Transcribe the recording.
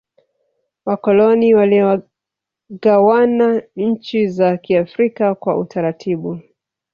wakoloni waligawana nchi za kiafrika kwa utaratibu